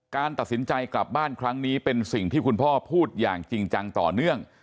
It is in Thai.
การตัดสินใจกลับบ้านครั้งนี้เป็นสิ่งที่คุณพ่อพูดอย่างจริงจังต่อเนื่อง